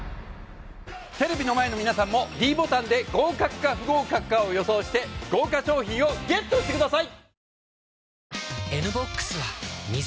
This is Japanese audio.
テレビの前の皆さんもｄボタンで合格か不合格かを予想して豪華賞品をＧＥＴしてください